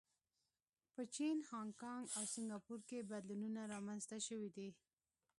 په چین، هانکانګ او سنګاپور کې بدلونونه رامنځته شوي دي.